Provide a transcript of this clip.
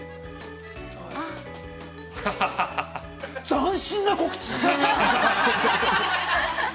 斬新な告知。